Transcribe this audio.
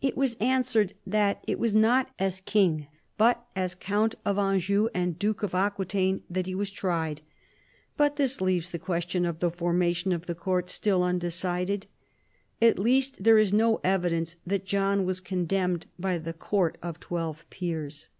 It was answered that it was not as king but as count of Anjou and duke of Aquitaine that he was tried. But this leaves the question of the formation of the court still undecided. At least there is no evidence that John was condemned by the court of twelve peers.